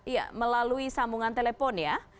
ya melalui sambungan telepon ya